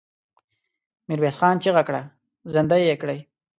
ميرويس خان چيغه کړه! زندۍ يې کړئ!